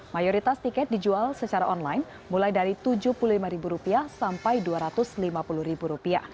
mayoritas tiket dijual secara online mulai dari rp tujuh puluh lima sampai rp dua ratus lima puluh